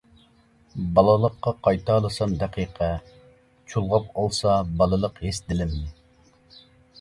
بالىلىققا قايتالىسام دەقىقە، چۇلغاپ ئالسا بالىلىق ھېس دىلىمنى.